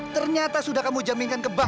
ternyata sudah kamu jaminkan ke bank